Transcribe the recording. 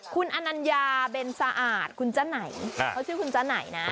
คุณอนัญญาเบนสะอาดคุณจ๊ะไหนเขาชื่อคุณจ๊ะไหนนะ